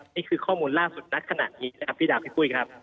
นี่คือข้อมูลล่าสุดณขณะนี้นะครับพี่ดาวพี่ปุ้ยครับ